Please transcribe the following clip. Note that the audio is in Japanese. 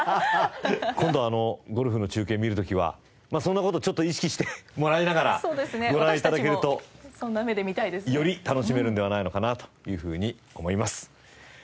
今度ゴルフの中継見る時はそんな事をちょっと意識してもらいながらご覧頂けるとより楽しめるんではないのかなというふうに思います。